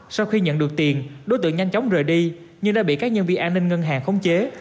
sau khi nhận được tiền đối tượng nhanh chóng rời đi nhưng đã bị các nhân viên an ninh ngân hàng khống chế